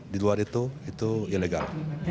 di luar itu itu ilegal